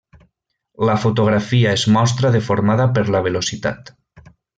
La fotografia es mostra deformada per la velocitat.